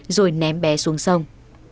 rồi ném bé xuống sông